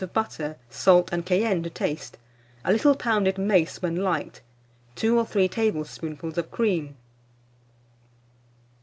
of butter, salt and cayenne to taste, a little pounded mace when liked, 2 or 3 tablespoonfuls of cream.